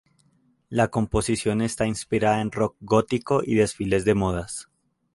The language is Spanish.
La composición está inspirada en rock gótico y desfiles de modas.